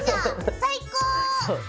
最高！